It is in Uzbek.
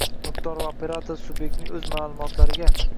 mulkdor va operator subyektning o‘z ma’lumotlariga